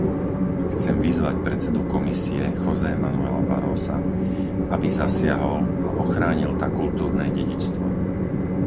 Chcem vyzvať predsedu Komisie, José Manuela Barrosa, aby zasiahol a ochránil tak kultúrne dedičstvo.